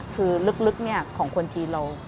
คือลึกของคนจีนเรา